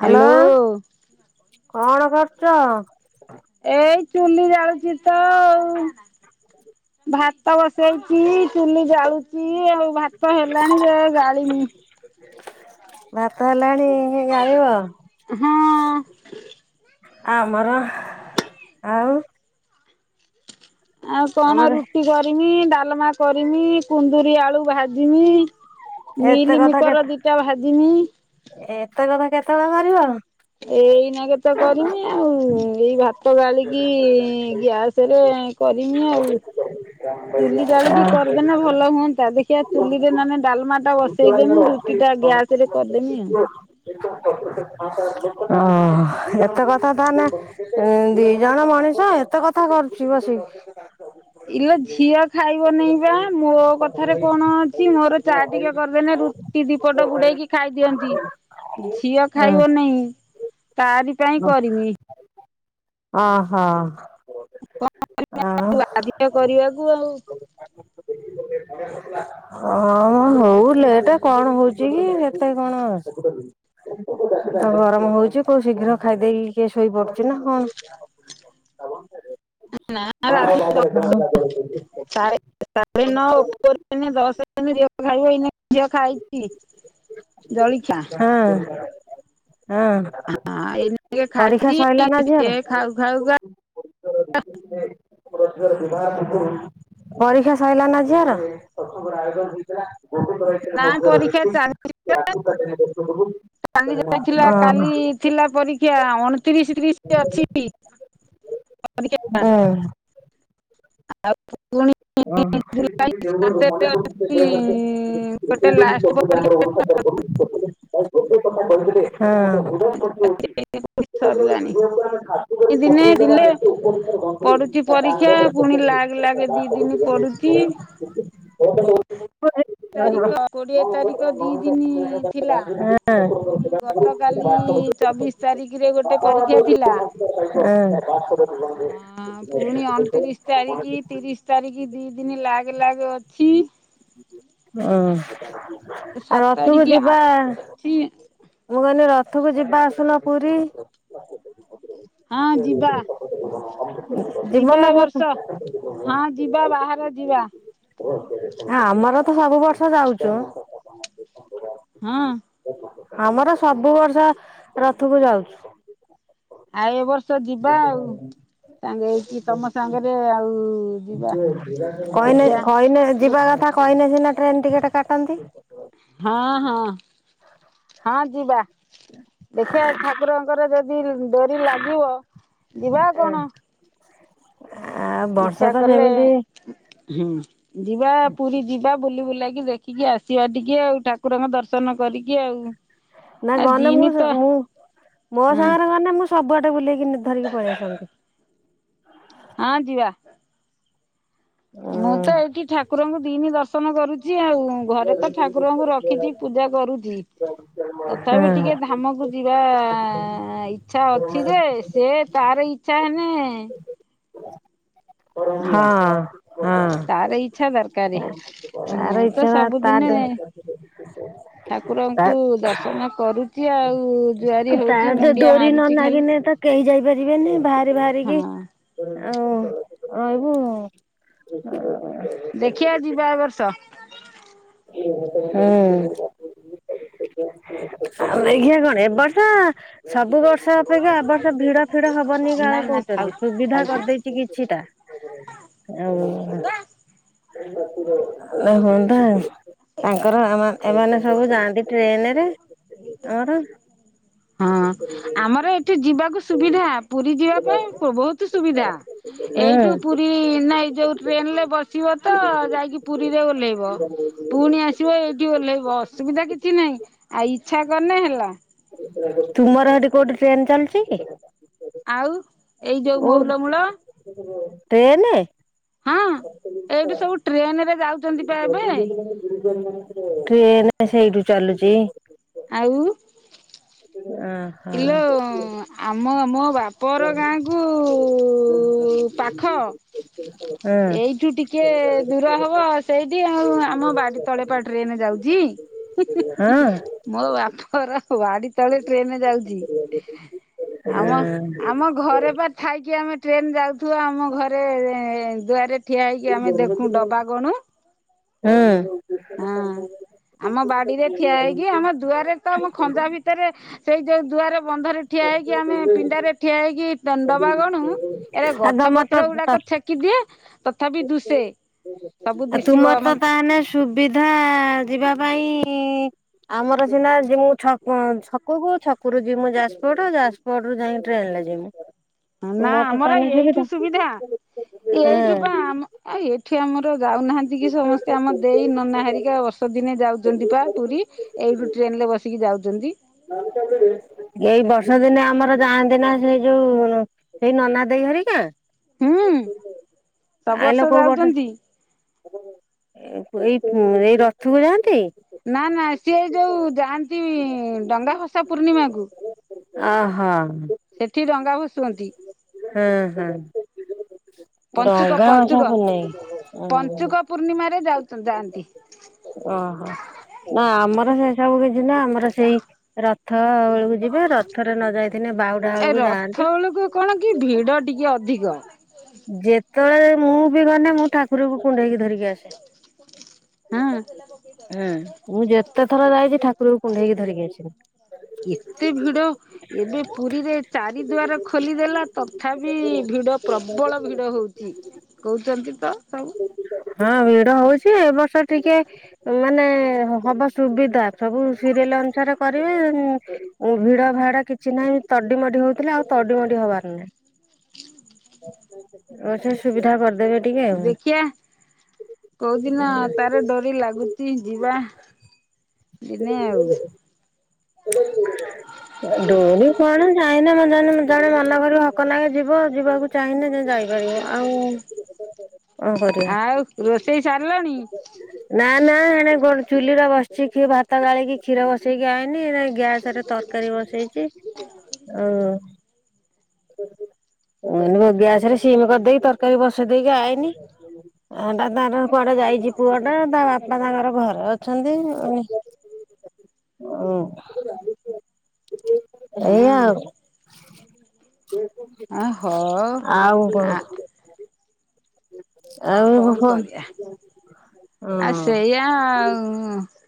Hello କଣ କରୁଛ? ଏଇ ଚୁଲି ଜଳୁଛି ତ ଆଉ। ଭାତ ବସଉଛି ଚୁଲି ଜାଳୁଛି। କି ଆଉ ଭାତ ହେଲାଣି ଯେ ଗାଳିନି। ଭାତ ହେଲା ହଁ। ଆମର ଆଉ ଆଉ କଣ ଆମର ରୁଟି କରିମି ଡାଲମା କରିମି କୁନ୍ଦୁରି ଆଳୁ ଭାଜିମି। ମିଲମିକର ଦିଟା ଭାଜିନି ଏ ଏତେ କଥା କେତେବେଳେ କରିବ? ଏଇନା କେ ତ କରିନି ଆଉ ଏଇ ଭାତ ଗାଳିକି ଗ୍ୟାସ ରେ କରିମି ଆଉ। ଚୁଲି ଜାଳିକି କରିଦେ ନା ଭଲ ହୁଅନ୍ତା ଦେଖ ଠିଆ ଚୁଲିରେ ମାନେ ଡାଲମା ଟା ବସେଇଦେନି ରୁଟି ଟା ଗ୍ୟାସ ରେ କରିଦେମି ଆଉ। ଓ ଏତେ କଥା ତାହଲେ ଦି ଜଣ ମଣିଷ କେତେ କଥା କରୁଛି ବସି। ଇଲେ ଝିଅ ଖାଇବ ନେଇବା ମୋ କଥାରେ କଣ ଅଛି ମୋର ଚାହା ଟିକେ କରିବେ ନା ରୁଟି ଦିପଟ ବୁଡେଇକି ଖାଇ ଦିଅନ୍ତି। ଝିଅ ଖାଇବ ଅହ। ନାହିଁ। ତାରି ପାଇଁ କରିମି। ଓ ହୋ। କଣ କରିବା ବାଧ୍ୟ କରିବାକୁ ଆଉ। ଅଁ ହଁ ହଉ ଲେଟେ କଣ ହଉଚି କି। ଏତେ କଣ ତ ଗରମ ହଉଚି କୋଉ ଶୀଘ୍ର ଖାଇଦେଇକି କିଏ ଶୋଇ ପଡୁଚି ନା କଣ? ନା ରାତି ସାଢେ [unintelligible] ସାଢେ ନଅ ଉପର କିନି ଦଶ ଦିନ ହେନେ ଝିଅ ଖାଇବ ଏଇନେ ଝିଅ ଖାଇଚି। ହଁ। ହଁ। ହଁ ଏଇନେ ଝିଅ ପରୀକ୍ଷା ଖାଇଚି ସଇଲା ନା ଝିଅର ସିଏ ଖାଉ ଖାଉକା ଅଃ ପରୀକ୍ଷା ସଇଲା ନା ଝିଅର? ବୋହୁଥର ଏଥିରେ ନା ମଧ୍ୟ ପରୀକ୍ଷା ରହିଛି। ଚାଲିଛି ସେ ଆଖୁରୁ ପୁରା [unintelligible] ଦିନ ପୂର୍ବରୁ ସେ ଥିଲା କାଲି ଥିଲା ପରୀକ୍ଷା ଅଣତିରିଶ ତିରିଶ ରେ ଅଛି। ତା ପରୀକ୍ଷା ଥିଲା। ଆଉ ପୁଣି ସାତରେ ଅଛି ଗୋଟେ ଲାଷ୍ଟ ଓହୋ। ପରୀକ୍ଷା ହଁ। ସରିଲାଣି ଦିନେ ଦିନେ [unintelligible] ହିଁ ଲାଗ ଲାଗେ ଦି ଦିନ ପଡୁଚି ତାରିଖ କୋଡିଏ ତାରିଖ ଦି ଦିନ ଥିଲା ପୁଣି ଗତକାଲି ଚବିଶ ତାରିଖରେ ଗୋଟେ ପରୀକ୍ଷା ଥିଲା। ହଁ ପୁଣି ଅଣ ତିରିଶ ତାରିଖ ତିରିଶ ତାରିଖ ଦି ଦିନ ଲାଗ ଲାଗ ଅଛି। ଆଉ ସାତ ରଥକୁ ତାରିଖ ଯିବା। ଅଛି ମୁଁ କହିନି ରଥକୁ ଯିବା ଆସୁନ ପୁରୀ। ହଁ ଯିବା ଯିବ ଯିବା ନା ଏ ସତ ବର୍ଷ ହଁ ଯିବା। ବାହା ଯିବା ଯିବା। ହଁ ଆମର ତ ସବୁ ବର୍ଷ ଯାଉଚୁ। ହଁ। ଆମର ସବୁ ବର୍ଷ ରଥକୁ ଯାଉଛୁ। ଆଉ ଏ ବର୍ଷ ଯିବା ଆଉ। ସାଙ୍ଗେ ହେଇକି ତୋମ ସାଙ୍ଗରେ ଆଉ ଯିବା କହିନେ ଦେଖିଆ କହିନେ ଯିବା କଥା କହିନେ ସିନା ଟ୍ରେନ୍ ଟିକେଟ୍ କାଟନ୍ତି। ହଁ, ହଁ, ହଁ, ଯିବା। ଦେଖିବା ଠାକୁରଙ୍କର ଯଦି ଡୋରି ଲାଗିବ ଯିବା କଣ। ଆ ବର୍ଷ ଇଚ୍ଛା ତ କଲେ ସେମିତି ହୁଁ, ଯିବା ପୁରୀ ଯିବା ବୁଲି ବୁଲାକି ଦେଖିକି ଆସିବା ଟିକେ ଆଉ। ଠାକୁରଙ୍କ ଦର୍ଶନ କରିକି ଆଉ। ନା ଆ ଗନେ ମୁଁ ଦିନି ତ ସ-ମୁଁ ମୋ ହୁଁ ସାଙ୍ଗରେ ଗନେ ମୁଁ ସବୁଆଡେ ବୁଲେଇକି ଧରିକି ପଳେଇ ଆସନ୍ତି। ହଁ ଯିିବା। ମୁଁ ହଁ ତ ଏଇଠି ଠାକୁରଙ୍କୁ ଦିନି ଦର୍ଶନ କରୁଛି ଆଉ। ଘରେ ତ ଠାକୁରଙ୍କୁ ରଖିଚି ପୂଜା କରୁଚି। ତଥାପି ଟିକେ ଧାମକୁ ଯିବା ଇଚ୍ଛା ଅଛି ଯେ, ସେ ତାର ଇ ଇଚ୍ଛା ହେନେ ଯିବା। ହଁ ତାର ଇଚ୍ଛା ଦରକାରେ। ତାର ମୁଁ ତ ଇଚ୍ଛା ତା ସବୁଦିନେ ତା ଠାକୁରଙ୍କୁ ଦର୍ଶନ କରୁ ଚି ଆଉ। ଜୁଆରି ହଉଛି ତାଡ ମୁଣ୍ଡିଆ ଡୋରି ନ ମାରୁଛି ଖାଲି ନାଗିନେ, ତ କେଇ ଯାଇପାରିବେନି। ଭାରି ହଁ ଭାରିକି ଆଉ ରହିବୁ। ଦେଖିବା, ଯିବା ଏ ବର୍ଷ। ଆଉ ଆଉ ସେଇଠି ଏଇଖିଆ କଣ? ରଖିଦିଅ ଏ ବର୍ଷ, ସେଇଠି ସବୁ ବର୍ଷ ଅପେକ୍ଷା ଏ ବର୍ଷ ଭିଡ ଫିଡ ହବନି ନା କାଳେ କଉ ନା ଥାଉ ଚନ୍ତି ସୁବିଧା ଥାଉ ସେଇଠି କରିଦେଇଚି କିଛିଟା ଆଉ ଆ ହନ୍ତା ତାଙ୍କର ଆମ-ଏମାନେ ସବୁ ଯାଆନ୍ତି ଟ୍ରେନରେ ଆମର ହଁ ଆମର ଏଠି ଯିବା ସୁବିଧା ପୁରୀ ଯିବା ପାଇଁ ପୋ-ବୋହୁତୁ ସୁବିଧା ଏଇଠୁ ହୁଁ ପୁରୀ ନା ଏଇ ଯୋଉ ଟ୍ରେନରେ ବସିବ ତ ଯାଇକି ପୁରୀରେ ଓହ୍ଲେଇବ। ପୁଣି ଆସିବ ଏଇଠି ଓହ୍ଲେଇବ ଅସୁବିଧା କିଛି ନାହିଁ ଆଉ ଇଚ୍ଛା କନେ ହେଲା। ତୁମର ହେଟି କୋଉଠି ଟ୍ରେନ ଚାଲୁଚି କି? ଆଉ ଏଇ ଯୋଉ କୋଉ ମୋହୁଲମୂଳ। ଟ୍ରେନେ? ହଁ ଏଇଠୁ ସବୁ ଟ୍ରେନେରେ ଯାଉଚନ୍ତି ପା ଏବେ। ଟ୍ରେନେ ସେଇଠୁ ଚାଲୁଚି। ଆଉ। ଓହୋ ଇଲୋ ଆମ ମୋ ବାପର ଗାଁକୁ ପାଖ। ହଁ ଏଇଠୁ ଟିକେ ଦୂର ହବ ସେଇଠି ଆଉ ଆମ ବାଡି ତଳେ ପା ଟ୍ରେନେ ଯାଉଚି। ହି ହି ହଁ। ହି ମୋ ବାପଘର ବା ବାଡି ତଳେ ଟ୍ରେନେ ଯାଉଚି ହଁ। ଆମ-ଆମ ଘରେ ପା ଥାଇକି ଆ ଆମେ ଟ୍ରେନ ଯାଉଥୁବ ଆମ ଘରେ ଦୁଆରେ ଠିଆହେଇକି ଆମେ ଦେଖୁଁ ଡବା ଗଣୁ। ହୁଁ। ହଁ ଆମ ବାଡିରେ ଠିଆହେଇକି, ଆମ ଦୁଆରେ ତ, ଆମ ଖଞ୍ଜା ଭିତରେ ସେଇ ଯୋଉ ଦୁଆରେ ବନ୍ଧରେ ଠିଆ ହେଇକି ଆମେ ପିଣ୍ଡାରେ ଠିଆ ହେଇକି ଦନ୍ ଡବା ଗଣୁ ଏରା ଆଉ ଗଛ ତମର ତ ତ ପତ୍ରଗୁଡାକ ଛେକି ଦିଏ ପ ତଥାପି ଦୁଶେ ସବୁ ତୁମର ଦିଶିବ ତ ଆମ ତାହେଲେ ସୁବିଧା ଯିବାପାଇଁ ଆମର ସିନା ଯିମୁ ଛକଁ-ଛକକୁୁ ଛକରୁ ଯିମୁ ଯାଜପ୍ରୋଡ ଯାଜପ୍ରୋଡରୁୁ ଯାଇକି ଟ୍ରେନ ରେ ଯିମୁ। ହଁ ନା ତୁମର ତ ଆମର ତାହେଲେ ଏଇଠୁ ସୁବିଧା ଏଇଠୁ ହଁ ଆମ-ଏ ଏଠି ଆମର ଯାଉନାହାନ୍ତି କି ସମସ୍ତେ ଆମ ଦେଇ ନନାହରିକା ବର୍ଷ ଦିନେ ଯାଉଚନ୍ତି ପା ପୁରୀ। ଏଇଠୁ ଟ୍ରେନରେ ବସିକି ଯାଉଚନ୍ତି। ଏଇ ବର୍ଷ ଦିନେ ଆମର ଯାଆନ୍ତି ନା ସେଇ ଯୋଉ ସେଇ ନନା ଦେଇହରିକା। ହୁଁ ସବୁ କାଇଁଲୋ କୋଉ ବର୍ଷ ଯାଉଛନ୍ତି ଏ-ପୁ ଏଇ-ପୁ ଏଇ ରଥକୁ ଯାଆନ୍ତି? ନା ନା ସିଏ ଯୋଉ ଯାଆନ୍ତି ଡଙ୍ଗା ଭସା ପୂର୍ଣ୍ଣିମାକୁ। ଅହ। ସେଠି ଡଙ୍ଗା ଭଶୁଅନ୍ତି। ହଁ ହଁ। ପଞ୍ଚୁକ ଡଙ୍ଗା ବଛା ପଞ୍ଚୁକ ପୁନେଇ ଓହୋ ପଞ୍ଚୁକ ପୂର୍ଣ୍ଣିମାରେ ଯାଉଚ-ଯାଆନ୍ତି। ଓହୋ ନା ଆମର ହେସବୁ କି ଛିନା ଆମର ସେଇ ରଥ ବେଳକୁ ଯିବେ ରଥରେ ନଯାଇଥି ଏ ରଥ ବେଳକୁ କଣ କି ଭିଡ ଟିକେ ଅଧିକ। ଯେତେବେଳେ ମୁଁ ବି ଗନେ ମୁଁ ଠାକୁରଙ୍କୁ କୁଣ୍ଡେଇକି ଧରିକି ଆସେ। ହଁ ହୁଁ ମୁଁ ଯେତେ ଥର ଯାଇଚି ଠାକୁରକୁ କୁଣ୍ଢେଇକି ଧରିକି ଆସିମି। ଏତେ ଭିଡ ଏବେ ପୁରୀରେ ଚାରି ଦୁଆର ଖୋଲିଦେଲା ତଥାପି ଭି ଭିଡ ପ୍ରବଳ ଭିଡ ହୋଉଚି କହୁଚନ୍ତି ତ ସବୁ। ହଁ ଭିଡ ହୋଉଚି ଏ ବର୍ଷ ଟିକେ ମାନେ ହବ ସୁବିଧା ସବୁ ସିରିଏଲ୍ ଏଲ୍ ଅନୁସାରେ କରିବେ ଉମ୍-ଭିଡ ଭାଡ କିଛି ନାହିଁ ତଡିମଡି ହୋଉଥୁଲେ ଆଉ ତଡିମଡି ହବାର ନାହିଁ ଓ ସେ ସୁବିଧା କର ଦେଖିଆ କୋଉଦିନ ତାର ଡୋରି ଲାଗୁଛି ଯିବା, ଦିନେ ଆଉ ଦଡୋରି କଣ ଯଏନା ମେ [unintelligible] ଜଣେ ମନ କରିବ -ହକ ଲାଗେ ଯିବ, ଯିବାକୁ ଚାହିଁଲେ ଯାଇପାରିବ ଆଉ ହ [unintelligible] ଆଉ ରୋଷେଇ ସାରିଲଣି? ନା ନା ଏଣ ଗୋ ଚୁଲିର ବସିଛି- ଭାତ ଗାଳିକ, କ୍ଷୀର ବସେଇକି ଆଇନି, ଏ ଗ୍ୟାସରେ ତରକାରୀ ବସେଇଛି, ଓ ଗ୍ୟାସରେ ସିମ କରିଦେଇକି, ତରକାରୀ ବସେଇ ଦେଇକି ଆଇନି। ଅଣ୍ଡା ତା [unintelligible] କୁଆଡେ ଯାଇଛି? ପୁଅ ଟା ତା ବାପା ତାଙ୍କର ଘରେ ଅଛନ୍ତି ହଁ ହଁ ଏଇ ଆଉ। ଓ ହୋ ଆଉ କଣ ଆ ଆଉ କଣ ହଁ କରିବା? ଆ ସେଇଆ,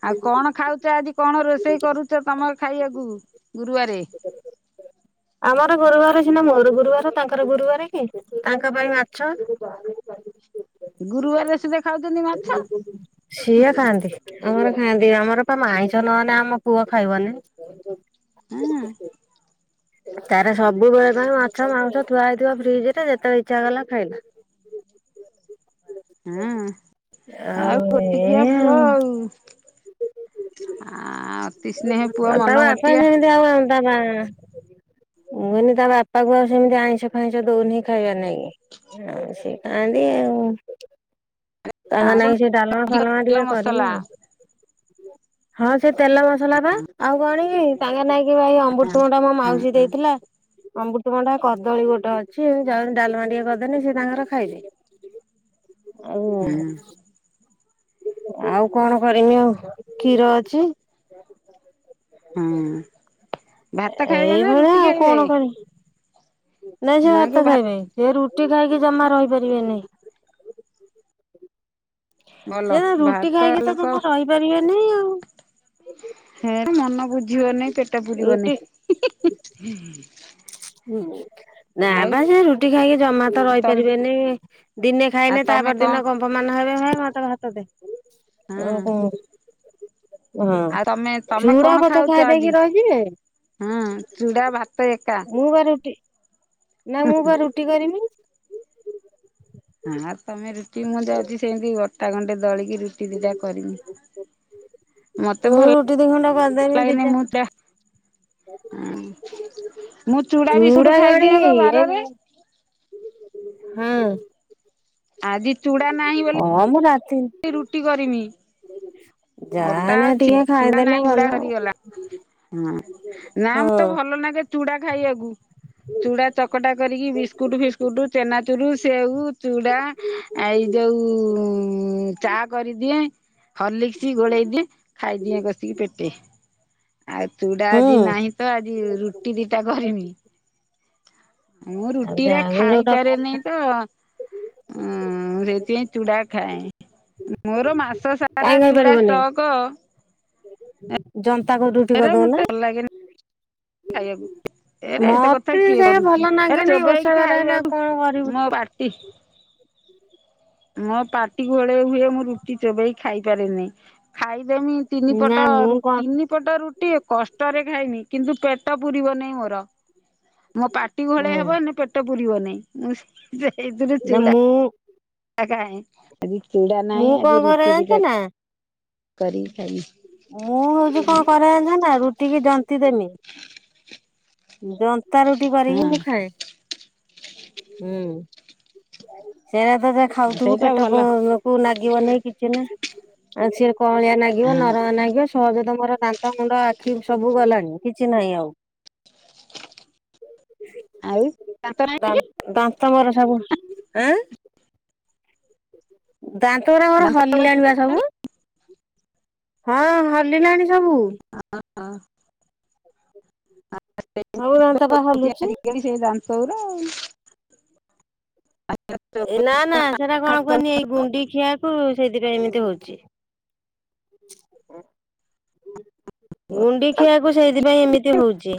ଆଉ କଣ ଖାଉଛ ଆଜି କଣ କଣ ରୋଷେଇ କରୁଛ ତମେ ଖାଇବାକୁ ଗୁରୁବାରେ? ଆମର, ଗୁରୁବାରସିନା ମୋର, ଗୁରୁବାର, ତାଙ୍କର ଗୁରୁବାର କି? ତାଙ୍କ ପାଇଁ ମାଛ। ଗୁରୁବାର ସୁଧା ଖାଉଛନ୍ତି ମାଛ? ହନ୍ତିି [unintelligible] ଆମର ବା ମାଇଁଛ ନନ ଆମ ପୁଅ ଖାଇବନି। ହୁଁ। ତାର ସବୁବେଳେ ପାଇଁ ମାଛ, ମାଉଁସ ଥୁଆ ହେଇଥିବା ଫ୍ରିଜ ରେ, ଯେତେବେଳେ ଇଛା କଲା ଖାଇଲା। ହ [unintelligible] ହଁ, ଆଉ ଗୋଟିକିଆ ପୁଅ ଆଉ। ଆ ତମ ଆସ ସେମିତି ଆଉତା ବା [unintelligible] ମୁଁ କହିନି -ତା ବାପା କୁ ଆଉ ସେମିତି ଆଇଁଷ ଫାଇଁସ ଦଉନିଁ ଖାଇବା ପାଇଁ। ହଁ ସେ ଖାଆନ୍ତି। ତାଙ୍କ ନାଇ ସେ ଡାଲମା ଫାଲମା ତେଲ ଟିକେ କରିନି ମସଲା ଆଉ, ହଁ ସେ ତେଲ। ଲା ବା ଆଉ କଣ [unintelligible] ତାଙ୍କର ନାଇଁକ ହଁ ଅମୃତଭଣ୍ଡା ମୋ ମାଉସୀ ହଁ ଦେଇଥିଲା ଅମୃତଭଣ୍ଡା କଦଳୀ ଗୋଟେ ଅଛି, ଯାଉଛି ଡାଲମା ଟିକେ କରିଦେନି ସେ ତାଙ୍କର ଖାଇଲେ। ହ ହଁ [unintelligible] ଆଉ କଣ କରିମି କ୍ଷୀର ଅଛି। ହଁ। ଭାତ ଖାଇବେ ନା ଏଇଭଳିଆ ରୁଟି ଆଉ କଣ ଖାଇବେ? କରିମି। ନାଇଁ ସେ ଭାତ ଖାଇବେ। ସେ ରୁଟି ଖାଇକି ଜମା ରହିପାରିବେନି। ଭଲ ସେ ରୁଟି ଭାରତ ଖାଇକି ତ ଲୋକ। ଜମା ରହିପାରିବେନି ଆଉ ମନ ବୁଝିବନାଇଁ ପେଟ ପୁରିବନିଁ। ରୁଟି ହୁଁ ନାବା ଯ ରୁଟି ଖାଇକି ଜମା ତମେ ଆଉ ତମେ କଣ ହଁ [unintelligible] ଓ କ? [unintelligible] ଆଉ ତମେ ତମେ କଣ ପଛେ ଖାଉଛ ଖାଇ ଦେଇକି ଆଜି? ରହିଯିବେ ହୁଁ ଚୁଡ଼ା ଭାତ ଏକା ମୁଁ ବା ରୁଟି ନା ମୁଁପା ରୁଟିକରିମି। ହଁ ତମେ ରୁଟି, ମୁଁ ଯାଉଛି ସେମତି ଅଟା ଗଣ୍ଡେ ଦଳିକି ରୁଟି ଦିଟା କରିମି। ମତେ ମୁଁ ଭଲ, ରୁଟି ଦି ଖଣ୍ଡ କରିଦେମି ଭଲ ଲାଗନି ଦିଟା ମୁଁ ମୁଁ ଚୁଡ଼ା ବିସ୍କୁଟୁ ଚୁଡା କଣ କି ଖାଇଦିଅ ଏ ବାରରେ ହଁ ଆଦି ଚୁଡ଼ା ନାହିଁ ବୋଲି ହଁ ମୁଁ ରାତି ରୁଟି କରିମି। ଅଟା ଯାହାନେ ଅଛି, ଟିକେ ଚୂଡା ଖାଇଦେଲେ ନାହିଁ, ଚୁଡା ଭଲ ଆଉ। ସରିଗଲା। ହଁ ନା ହଁ ମତେ ଭଲ ଲାଗେ ଚୁଡା ଖାଇବାକୁ। ଚୁଡା ଚକଟା କରିକି ବିସ୍କୁଟ ଫିସ୍କୁଟ ଚେନା ଚୁରୁ ସେଉ ଚୁଡ଼ା ଏଇ ଯୋଉ ଚା କରିଦିଏ ହଲିକ୍ସି ଆଉ ଚୁଡା ଆଜି ହୁଁ। ନାହିଁ ତ ଆଜି ରୁଟି ଦିଟା କରିମି ମୁଁ ଆଉ ରୁଟି ରେ ଯାହାକୁ ଯୋଉଟା ଭଲ ଖାଇପାରେନି ତ ଉଁ ସେଇତି ପାଇଁ ଚୁଡ଼ା ଖାଏ। ମୋର ମାସ ସାରା ଚୂଡା ଷ୍ଟକ୍ ଜନ୍ତା କ ରୁଟି କରିଦଉନ ମତେ ଭଲ ଲାଗେନି ଖାଇବାକୁ ଏରେ ଏତେ କଥା ମତେ କିଏ ସେ କରୁଛି ଭଲ ନାଗେ ଏରେ ନାଇଁ ଓଷା ଚୋବେଇକି ବାର ହେଲେ ଆଉ ଖାଇବାକୁ କଣ କରିବୁ ମୋ ପାଟି ମୋ ପାଟି ଘୋଲେଇ ହୁଏ ମୁଁ ରୁଟି ଚୋବେଇ ଖାଇପାରେନି ଖାଇ ଖାଇଦେବି ତିନି ନା ମୁଁ କଣ ପଟ ରୁଟି କଷ୍ଟରେ ଖାଇମି କିନ୍ତୁ ପେଟ ପୂରିବ ନାଇ ମୋର ମୋ ପାଟି ହୁଁ ଘୋଳେଇ ହେବ ହେନେ ମୋ ପେଟ ପୁୁରିବନାଇଁ ମୁଁ ସେଥୁରୁ ନା ଚୁଡା ମୁଁ ଖାଏ ଆଜି ଚୁଡ଼ା ନାହିଁ ଆଜି ରୁଟି ଦିଟା କରିକି ଖାଇବି ମୁଁ ହଉଛି କଣ କରେନା ଜାଣିଛ ନା ରୁଟି କି ଜନ୍ତି ଦେମି ଜନ୍ତା ରୁଟି କରିକି ହଁ ମୁଁ ଖାଏ। ହୁଁ ସେରା ତ ଖାଉଥିବୁ ସେଇଟା ପେଟ ଭଲ କୁ ନା ଲାଗିବ ନାଇଁ କିଛି ନା ଆଉ ସି କଅଳିଆ ଲାଗିବ ହଁ ନରମା ଲାଗିବ। ସହଜ ରେ ତ ମୋର ଦାନ୍ତ ମୁଣ୍ଡ ଆଖି ସବୁ ଗଲାଣି କିଛି ନାହିଁ ଆଉ। ଆଉ ଦାନ୍ତ ନାହିଁ ଦାନ୍ତ ମୋର ସବୁ ଆଁ। ଦାନ୍ତଉରା ମୋର ଦାନ୍ତ ହଲିଲାଣି ସବୁ ହଁ ହଲିଲାଣି ସବୁ ଆଁ। [unintelligible] ସେଇ ସବୁ ଦାନ୍ତ ପା ହଲୁଛି। ଜାୁର ଆଉ ଦାନ୍ତ ଗୁଡା ଏ ନା ନା ସେରା କଣ କୁହନି ଏଇ ଗୁଣ୍ଡି ଖିଆକୁ ସେଇଥିପାଇଁ ଏମିତି ହଉଛି। ହ ଗୁଣ୍ଡି ଖିଆକୁ ସେଇଥିପାଇଁ ଏମିତି ହଉଛି।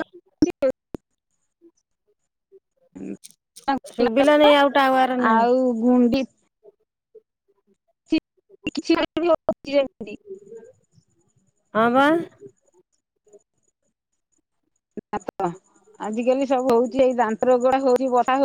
ସୁୁଭିଲାନି ଆଉ ଟାୱାର ନାହିଁ। ଆଉ ଗୁଣ୍ଡି କିଛି ଅଛି [unintelligible] ହଁ ବା। ନା ତ ଆଜିକାଲି ସବୁ ହଉଛି ଏଇ ଦାନ୍ତ ଗୁଡା ହଉଛି ବଥା ହଉଛି